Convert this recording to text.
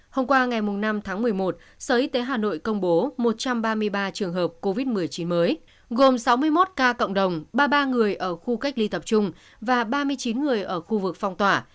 hôm qua ngày năm tháng một mươi một sở y tế hà nội công bố một trăm ba mươi ba trường hợp covid một mươi chín mới gồm sáu mươi một ca cộng đồng ba mươi ba người ở khu cách ly tập trung và ba mươi chín người ở khu vực phong tỏa